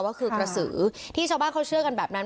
ก็คือกระสือที่ชาวบ้านเขาเชื่อกันแบบนั้น